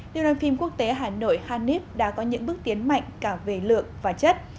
điều đoàn phim quốc tế hà nội harnip đã có những bước tiến mạnh cả về lượng và chất